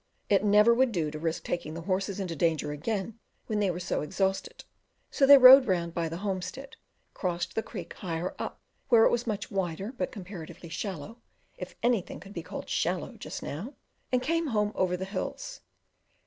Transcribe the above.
It never would do to risk taking the horses into danger again when they were so exhausted; so they rode round by the homestead, crossed the creek higher up, where it was much wider but comparatively shallow (if anything could be called shallow just now), and came home over the hills.